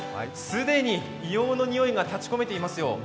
既に硫黄のにおいが立ちこめていますよ。